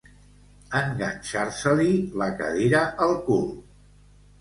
Enganxar-se-li la cadira al cul.